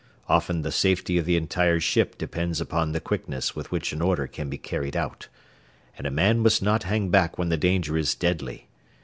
Often the safety of the entire ship depends upon the quickness with which an order can be carried out, and a man must not hang back when the danger is deadly.